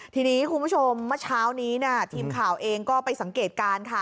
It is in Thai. ทีนี้คุณผู้ชมเมื่อเช้านี้ทีมข่าวเองก็ไปสังเกตการณ์ค่ะ